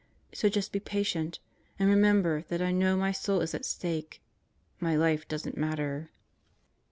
So just be patient and remember that I know my soul is at stake; my life doesn't matter.